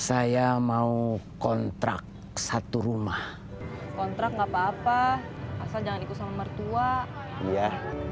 saya mau kontrak satu rumah kontrak nggak apa apa asal jangan ikut sama mertua ya